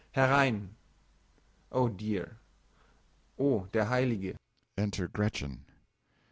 Herein! Oh, dear! O der heilige Enter GRETCHEN.